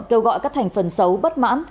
kêu gọi các thành phần xấu bất mãn